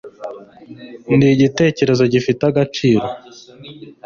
nigitekerezo gifite agaciro